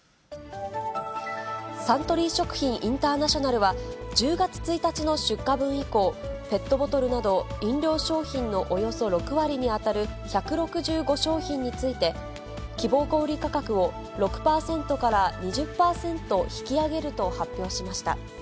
サントリー食品インターナショナルは、１０月１日の出荷分以降、ペットボトルなど飲料商品のおよそ６割に当たる１６５商品について、希望小売り価格を６％から２０％引き上げると発表しました。